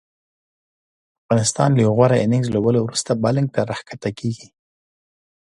افغانستان له یو غوره اننګز لوبولو وروسته بیت بالینګ ته راښکته کیږي